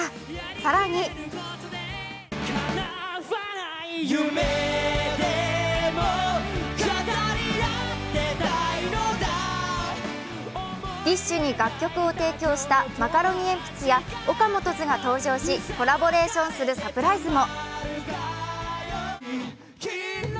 更にＤＩＳＨ／／に楽曲を提供したマカロニえんぴつやＯＫＡＭＯＴＯ’Ｓが登場しコラボレーションするサプライズも。